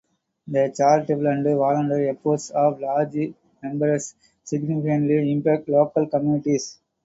The charitable and volunteer efforts of lodge members significantly impact local communities.